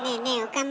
岡村。